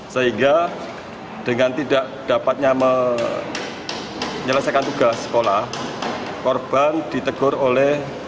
sehingga dengan tidak dapatnya menyelesaikan tugas sekolah korban ditegur oleh